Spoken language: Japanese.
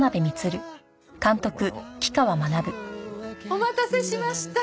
お待たせしました。